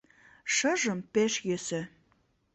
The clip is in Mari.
Шыжым пеш йӧсӧ.